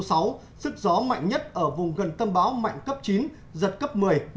sức gió mạnh nhất ở vùng gần tâm báo mạnh cấp chín giật cấp một mươi một mươi một